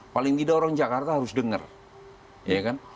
paling tidak orang jakarta harus dengar ya kan